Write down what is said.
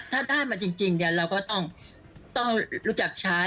ถ้าได้มาจริงเราก็ต้องรู้จักช้า